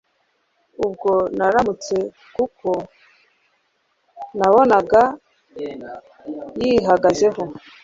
Ubwo naramuretse kuko nabonaga yihagazeho